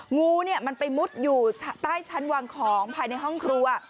งูเนี่ยมันไปมุดอยู่ใต้ชั้นวางของภายในห้องครัว